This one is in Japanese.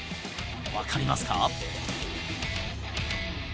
分かりますか？